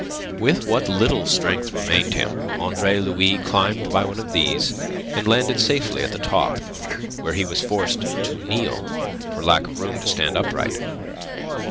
With what little strength remained him, Andre Louis climbed by one of these and landed safely at the top, where he was forced to kneel, for lack of room to stand upright.